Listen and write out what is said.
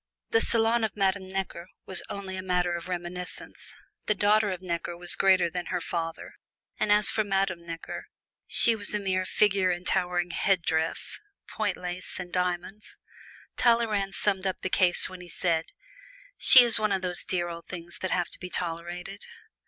The salon of Madame Necker was only a matter of reminiscence. The daughter of Necker was greater than her father, and as for Madame Necker, she was a mere figure in towering headdress, point lace and diamonds. Talleyrand summed up the case when he said, "She is one of those dear old things that have to be tolerated."